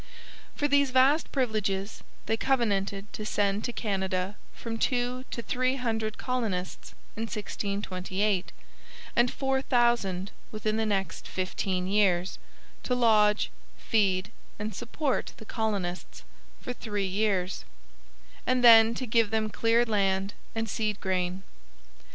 For these vast privileges they covenanted to send to Canada from two to three hundred colonists in 1628 and four thousand within the next fifteen years; to lodge, feed, and support the colonists for three years; and then to give them cleared land and seed grain.